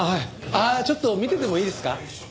あっちょっと見ててもいいですか？